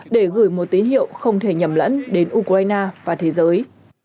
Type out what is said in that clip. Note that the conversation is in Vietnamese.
để gửi một tín hiệu không thể nhầm lẫn đến ukraine và thế giới